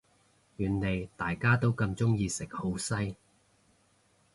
原來大家都咁鍾意食好西